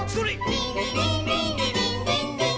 「リンリリンリンリリンリンリン」